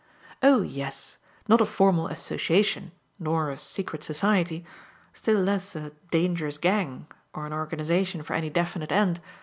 "Oh yes; not a formal association nor a secret society still less a 'dangerous gang' or an organisation for any definite end.